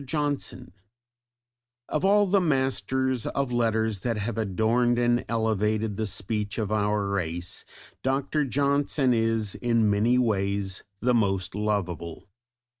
JOHNSON Of all the Masters of letters that have adorned and elevated the speech of our race Dr. Johnson is in many ways the most lovable.